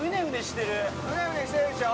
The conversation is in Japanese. うねうねしてるでしょ。